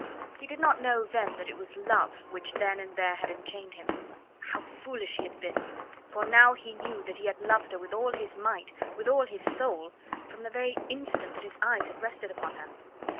He did not know then that it was Love which then and there had enchained him. Oh, how foolish he had been! for now he knew that he had loved her with all his might, with all his soul, from the very instant that his eyes had rested upon her.